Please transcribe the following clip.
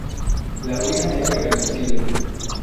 La ruina era irreversible.